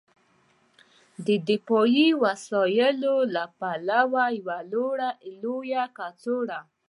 د دفاعي وسایلو د پلور یوه لویه کڅوړه